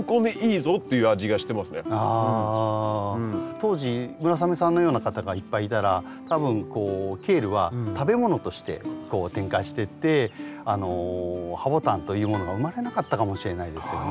当時村雨さんのような方がいっぱいいたら多分こうケールは食べ物として展開してってハボタンというものが生まれなかったかもしれないですよね。